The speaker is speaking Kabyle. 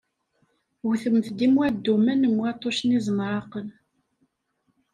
Wtemt-d i mm wandumen, mm waṭṭucen izemraqen.